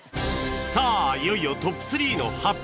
さあいよいよトップ３の発表